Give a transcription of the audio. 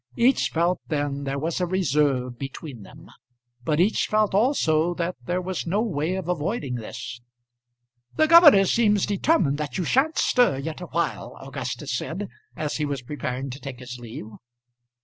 Each felt then there was a reserve between them; but each felt also that there was no way of avoiding this. "The governor seems determined that you sha'n't stir yet awhile," Augustus said as he was preparing to take his leave.